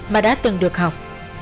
mà đã từng được học